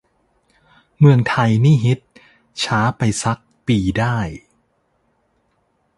เมืองไทยนี่ฮิต ช้าไปซัก ปีได้